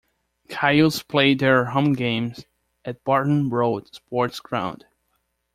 Caius play their home games at Barton Road sports ground.